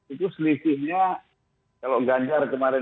itu selisihnya kalau ganjar kemarin